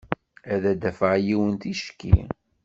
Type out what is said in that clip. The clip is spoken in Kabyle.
Ad d-afeɣ yiwen ticki.